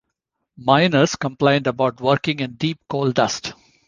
Miners complained about working in deep coal dust.